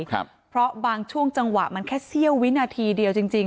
ครับเพราะบางช่วงจังหวะมันแค่เสี้ยววินาทีเดียวจริงจริง